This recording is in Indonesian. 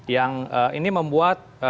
yang ini membuat